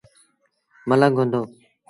ملنگ هئندو۔